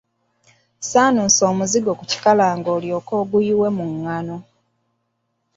Saanuusa omuzigo ku kikalango olyoke oguyiwe mu ngano.